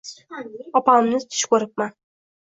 Opamni tush ko‘ribman.